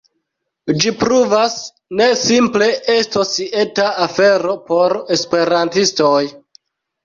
Ĝi pruvas ne simple estos eta afero por esperantistoj